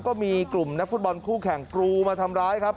ก็มีกลุ่มนักฟุตบอลคู่แข่งกรูมาทำร้ายครับ